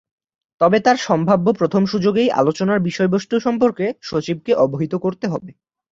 তবে তার সম্ভাব্য প্রথম সুযোগেই আলোচনার বিষয়বস্ত্ত সম্পর্কে সচিবকে অবহিত করতে হবে।